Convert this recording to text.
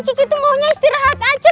kiki tuh maunya istirahat aja